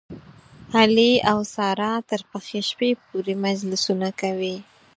علي او ساره تر پخې شپې پورې مجلسونه کوي.